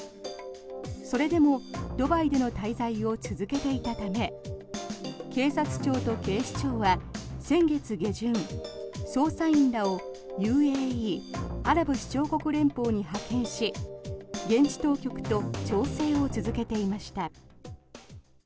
それでも、ドバイでの滞在を続けていたため警察庁と警視庁は先月下旬捜査員らをＵＡＥ・アラブ首長国連邦に派遣し現地当局と調整を続けていました。